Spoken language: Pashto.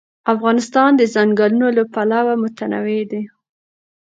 افغانستان د ځنګلونه له پلوه متنوع دی.